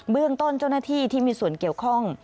เรื่องต้นเจ้าหน้าที่ที่มีส่วนเกี่ยวข้อง